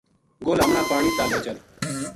گل ہمناں پانی تا لے چل